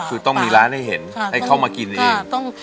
คือต้องมีร้านให้เห็นให้เข้ามากินเอง